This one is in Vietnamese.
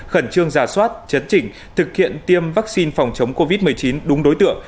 khẩn trương giả soát chấn chỉnh thực hiện tiêm vaccine phòng chống covid một mươi chín đúng đối tượng